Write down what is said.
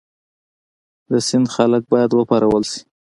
د سند خلک باید وپارول شي.